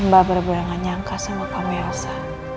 mbak berbulan gak nyangka sama kamu yosa